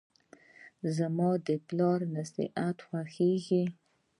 زماد پلار نصیحت خوښیږي.